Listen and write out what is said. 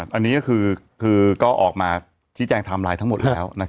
อันนี้ก็คือก็ออกมาชี้แจงไทม์ไลน์ทั้งหมดแล้ว